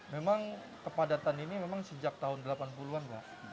memang kepadatan ini memang sejak tahun delapan puluh an pak